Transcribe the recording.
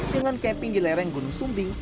dengan camping di lereng gunung sumbing